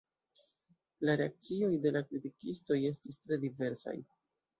La reakcioj de la kritikistoj estis tre diversaj.